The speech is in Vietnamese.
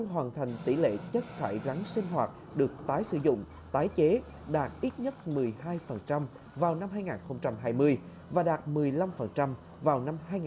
hoàn thành tỷ lệ chất thải rắn sinh hoạt được tái sử dụng tái chế đạt ít nhất một mươi hai vào năm hai nghìn hai mươi và đạt một mươi năm vào năm hai nghìn hai mươi